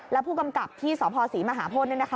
และผู้กำกับที่สภศรีมหาพลเนี่ยนะคะ